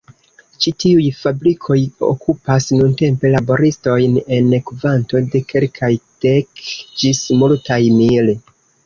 Ĉi tiuj fabrikoj okupas nuntempe laboristojn en kvanto de kelkaj dek ĝis multaj mil.